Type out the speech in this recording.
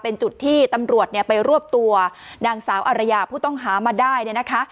เป็นจุดที่ตำรวจไปรวบตัวนางสาวอารยาผู้ต้องหามาได้เนี่ยนะคะ